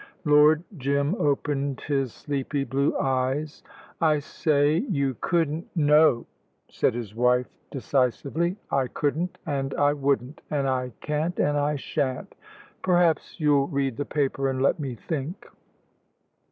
Lord Jim opened his sleepy blue eyes. "I say, you couldn't ?" "No," said his wife, decisively. "I couldn't and I wouldn't, and I can't and I shan't. Perhaps you'll read the paper and let me think."